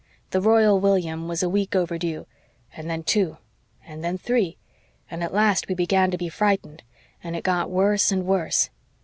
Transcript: The Royal William was a week overdue and then two and then three. And at last we began to be frightened, and it got worse and worse.